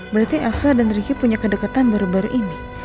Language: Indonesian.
berarti elsa dan ricky punya kedekatan baru baru ini